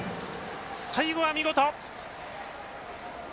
最後は見事。